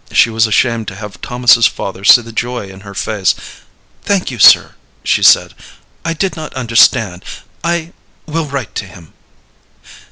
She was ashamed to have Thomas's father see the joy in her face. "Thank you, sir," she said. "I did not understand. I will write to him."